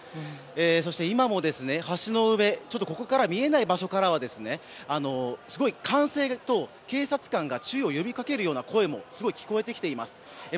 そして今も橋の上ここからは見えない場所からはすごい歓声と、警察官が注意を呼び掛けるような声もすごい聞こえてきています。